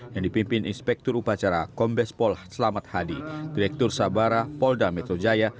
yang dipimpin inspektur upacara kombes pol selamat hadi direktur sabara polda metro jaya